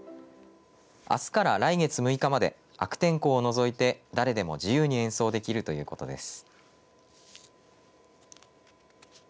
あすから来月６日まで悪天候を除いて誰でも自由に演奏できるということです。